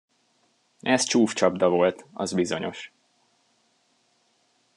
Ez csúf csapda volt, az bizonyos.